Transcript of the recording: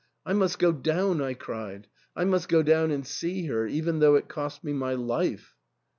'^ I must go down," I cried, " I must go down and see her, even though it cost me my life."